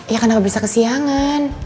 iya kan gak bisa kesiangan